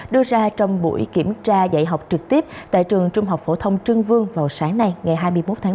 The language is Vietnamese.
đưa ra trong buổi kiểm tra dạy học trực tiếp tại trường trung học phổ thông trương vương vào sáng nay ngày hai mươi một tháng một mươi hai